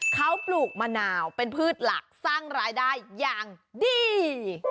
เขาปลูกมะนาวเป็นพืชหลักสร้างรายได้อย่างดี